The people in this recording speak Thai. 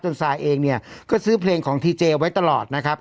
ซายเองเนี่ยก็ซื้อเพลงของทีเจไว้ตลอดนะครับ